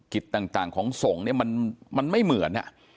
กฤตต่างต่างของส่งเนี้ยมันมันไม่เหมือนอ่ะ